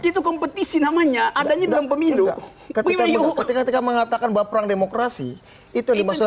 itu kompetisi namanya adanya dalam pemilu ketika mengatakan bahwa perang demokrasi itu dimaksud